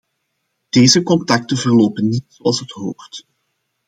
Deze contacten verlopen niet zoals het hoort.